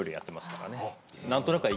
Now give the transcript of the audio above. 何となくは。